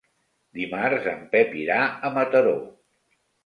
Dimarts en Pep irà a Mataró.